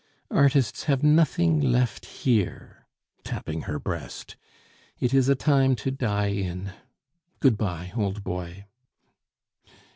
Artists have nothing left here" (tapping her breast) "it is a time to die in. Good bye, old boy."